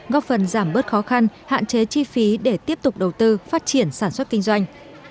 góp phần giảm bớt khó khăn hạn chế chi phí để tiếp tục đầu tư phát triển sản xuất kinh doanh